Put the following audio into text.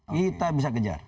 kita bisa kejar